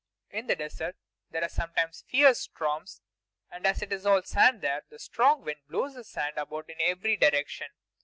In the desert there are sometimes fierce storms; and as it is all sand there, the strong wind blows the sand about in every direction.